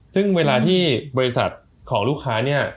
ซึ่งเวลาที่บริษัทของลูกค้าเนี่ย